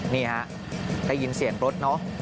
นี่ฮะได้ยินเสียงรถ